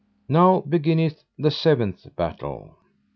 Now beginneth the seventh battle.